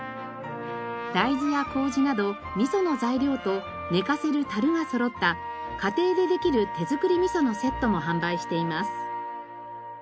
大豆やこうじなどみその材料と寝かせるたるがそろった家庭でできる手づくりみそのセットも販売しています。